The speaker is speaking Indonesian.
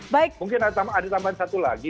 baik mungkin ada tambahan satu lagi